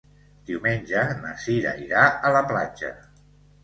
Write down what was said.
Diumenge na Sira irà a la platja.